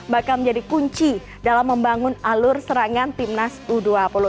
bahkan menjadi kunci dalam membangun alur serangan timnas u dua puluh